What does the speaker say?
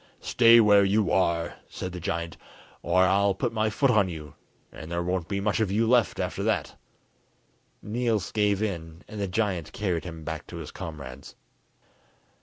"Stay where you are," said the giant, "or I'll put my foot on you, and there won't be much of you left after that." Niels gave in, and the giant carried him back to his comrades.